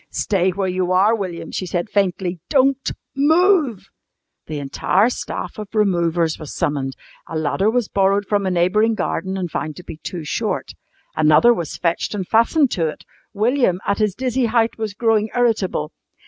"Stay where you are, William," she said faintly. "Don't move." The entire staff of removers was summoned. A ladder was borrowed from a neighbouring garden and found to be too short. Another was fetched and fastened to it. William, at his dizzy height, was growing irritable.